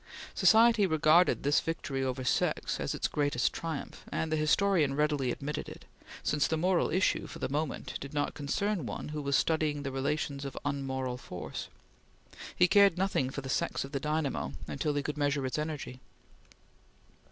Society regarded this victory over sex as its greatest triumph, and the historian readily admitted it, since the moral issue, for the moment, did not concern one who was studying the relations of unmoral force. He cared nothing for the sex of the dynamo until he could measure its energy.